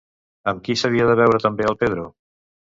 Amb qui s'havia de veure també el Pedro?